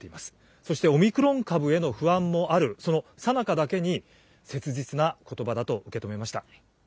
そしてオミクロン株への不安もある、そのさなかだけに、切実なことばだと受け止めました。